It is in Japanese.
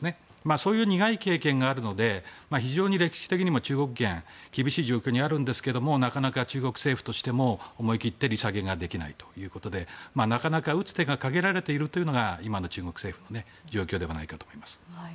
そういう苦い経験があるので非常に歴史的にも中国元は厳しい状況にあるんですがなかなか中国政府としても思い切って利下げができないということでなかなか打つ手が限られているというのが今の中国政府の状況だと思います。